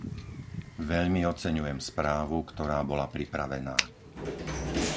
Veľmi oceňujem správu, ktorá bola pripravená.